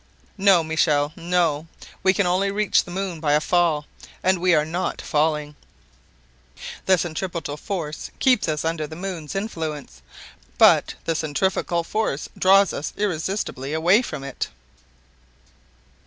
"No, Michel, no! We can only reach the moon by a fall, and we are not falling. The centripetal force keeps us under the moon's influence, but the centrifugal force draws us irresistibly away from it."